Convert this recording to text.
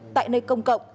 tại nơi công cộng